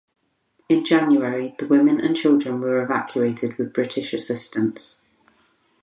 In January, the women and children were evacuated with British assistance.